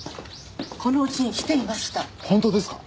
このうちに来ていました本当ですか？